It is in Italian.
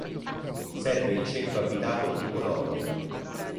Serve il centro abitato di Cologne.